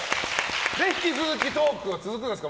引き続きトークが続くんですか。